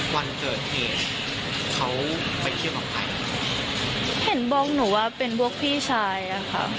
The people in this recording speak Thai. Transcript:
วันเกิดเหตุเขาไปเที่ยวกับใครเห็นบอกหนูว่าเป็นพวกพี่ชายอะค่ะ